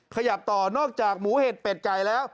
ขยับต่อนอกจากหมูเห็ดเป็ดไก่แล้ว